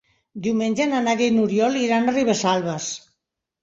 Diumenge na Nàdia i n'Oriol iran a Ribesalbes.